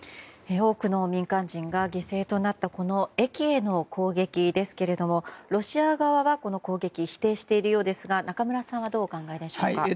多くの人が犠牲となったこの駅への攻撃ですけれどもロシア側は、この攻撃を否定しているようですが中村さんはどうお考えですか。